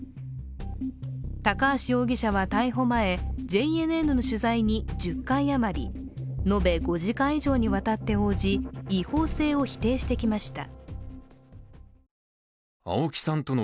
高橋容疑者は逮捕前、ＪＮＮの取材に１０回あまり延べ５時間以上にわたって応じ違法性を否定してきました。